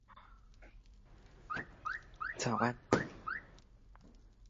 千金街，萬金巷